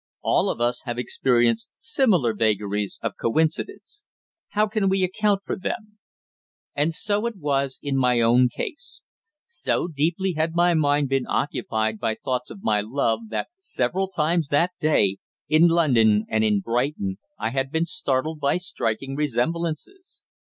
All of us have experienced similar vagaries of coincidence. How can we account for them? And so it was in my own case. So deeply had my mind been occupied by thoughts of my love that several times that day, in London and in Brighton, I had been startled by striking resemblances.